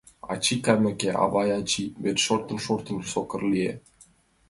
Ачий кайымеке, авай, ачий верч шортын-шортын, сокыр лие.